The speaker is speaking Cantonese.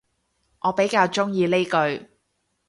我比較鍾意呢句